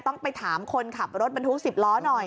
ต้องไปถามคนขับรถบรรทุก๑๐ล้อหน่อย